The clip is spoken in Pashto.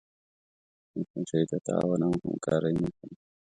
مچمچۍ د تعاون او همکاری نښه ده